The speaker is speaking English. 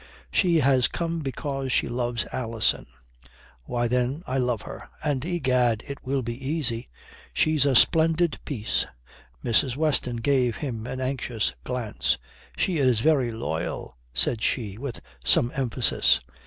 She has come because she loves Alison." "Why, then, I love her. And egad it will be easy. She's a splendid piece." Mrs. Weston gave him an anxious glance. "She is very loyal," said she, with some emphasis.